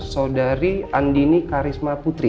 saudari andini karisma putri